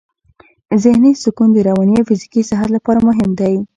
ذهني سکون د رواني او فزیکي صحت لپاره مهم دی.